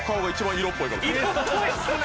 色っぽいっすね！